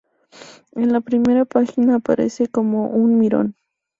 En la primera página aparece como un mirón.